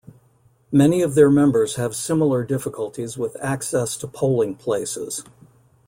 Many of their members have similar difficulties with access to polling places.